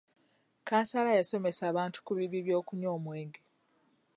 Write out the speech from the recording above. Kansala yasomesa abantu ku bibi by'okunywa omwenge.